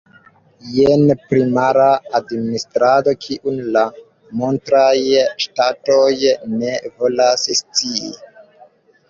Jen primara administrado, kiun la monstraj ŝtatoj ne volas scii.